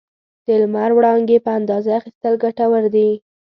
د لمر وړانګې په اندازه اخیستل ګټور دي.